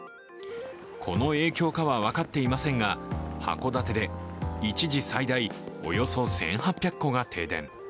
この影響かは分かっていませんが、函館で一時、最大およそ１８００戸が停電。